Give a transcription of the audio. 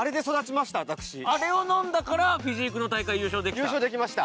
あれを飲んだからフィジークの大会優勝できた優勝できました